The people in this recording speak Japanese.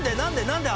何で？